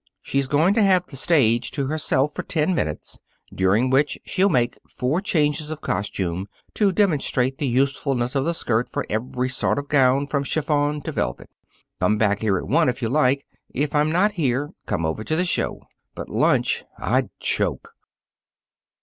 She's going to have the stage to herself for ten minutes, during which she'll make four changes of costume to demonstrate the usefulness of the skirt for every sort of gown from chiffon to velvet. Come back here at one, if you like. If I'm not here, come over to the show. But lunch! I'd choke."